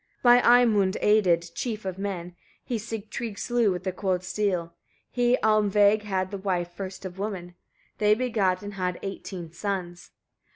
16. By Eimund aided, chief of men, he Sigtrygg slew with the cold steel. He Almveig had to wife, first of women. They begat and had eighteen sons.